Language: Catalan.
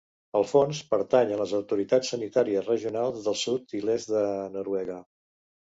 El fons pertany a les autoritats sanitàries regionals del sud i l'est de Noruega.